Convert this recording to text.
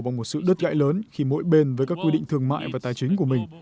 bằng một sự đứt gãy lớn khi mỗi bên với các quy định thương mại và tài chính của mình